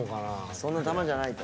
そんな玉じゃないと？